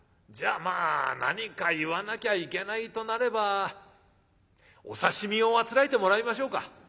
じゃあまあ何か言わなきゃいけないとなればお刺身をあつらえてもらいましょうか」。